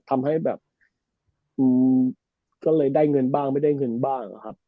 ทำให้แบบก็เลยได้เงินบ้างไม่ได้เงินบ้างอะครับ